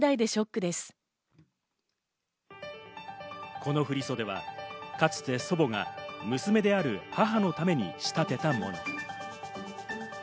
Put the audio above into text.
この振り袖はかつて祖母が、娘である母のために仕立てたもの。